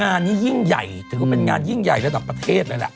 งานนี้ยิ่งใหญ่ถือว่าเป็นงานยิ่งใหญ่ระดับประเทศเลยล่ะ